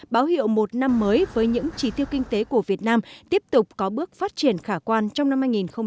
báo hiệu một năm mới với những trí tiêu kinh tế của việt nam tiếp tục có bước phát triển khả quan trong năm hai nghìn hai mươi